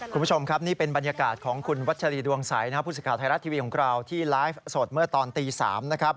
คุณผู้ชมครับนี่เป็นบรรยากาศของคุณวัชรีดวงใสนะครับผู้สิทธิ์ไทยรัฐทีวีของเราที่ไลฟ์สดเมื่อตอนตี๓นะครับ